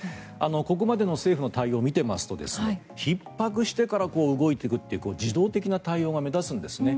ここまでの政府の対応を見てますと、ひっ迫してから動いているという受動的な対応が目立つんですね。